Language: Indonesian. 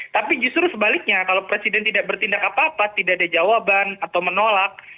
tapi justru sebaliknya kalau presiden tidak bertindak apa apa tidak ada jawaban atau menolak